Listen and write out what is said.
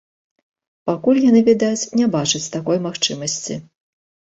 Пакуль, яны, відаць, не бачаць такой магчымасці.